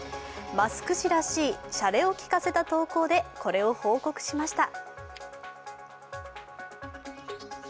マスク氏らしい、しゃれをきかせた投稿でこれを報告しました。